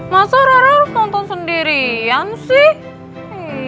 masa raro harus nonton sendirian sih